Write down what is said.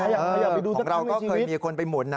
ของเราก็เคยมีคนไปหมุนนะ